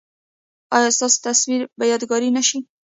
ایا ستاسو تصویر به یادګار نه شي؟